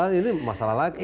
ini masalah lagi